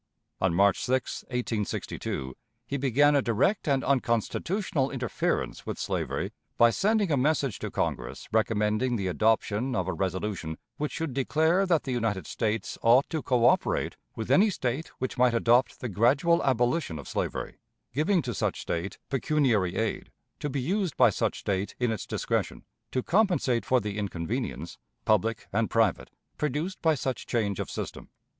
On March 6, 1862, he began a direct and unconstitutional interference with slavery by sending a message to Congress recommending the adoption of a resolution which should declare that the United States ought to coöperate with any State which might adopt the gradual abolition of slavery, giving to such State pecuniary aid, to be used by such State in its discretion, to compensate for the inconvenience, public and private, produced by such change of system.